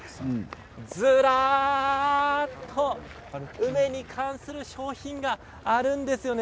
ずらっと梅に関する商品があるんですよね。